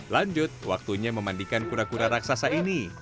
lanjut waktunya memandikan kura kura raksasa ini